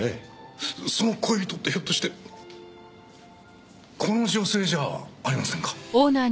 その恋人ってひょっとしてこの女性じゃありませんか？